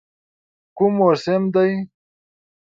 کوم موسم دی؟